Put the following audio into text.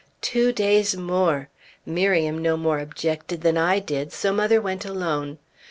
Two days more! Miriam no more objected than I did, so mother went alone.